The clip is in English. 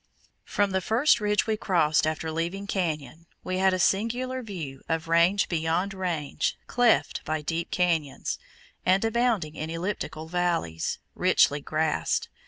From the first ridge we crossed after leaving Canyon we had a singular view of range beyond range cleft by deep canyons, and abounding in elliptical valleys, richly grassed.